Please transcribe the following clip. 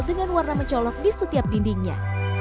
dengan warna mencolok di setiap dindingnya